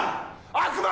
悪魔！